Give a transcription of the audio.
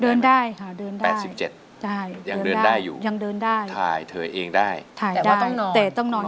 เดินได้ค่ะเดินได้ยังเดินได้อยู่ถ่ายเธอเองได้แต่ว่าต้องนอนต้องนอน